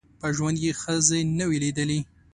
په ژوند یې ښځي نه وې لیدلي